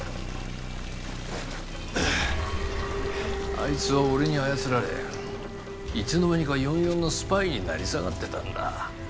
あいつは俺に操られいつの間にか４４のスパイに成り下がってたんだ。